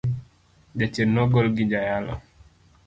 Jachien no gol gi joyalo.